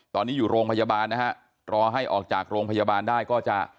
ตอนนี้อยู่โรงพยาบาลนะฮะรอให้ออกจากโรงพยาบาลได้ก็จะ